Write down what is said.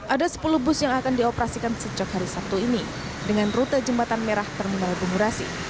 ada sepuluh bus yang akan dioperasikan sejak hari sabtu ini dengan rute jembatan merah terminal bungurasi